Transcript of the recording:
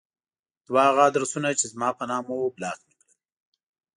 دوه هغه ادرسونه چې زما په نامه وو بلاک مې کړل.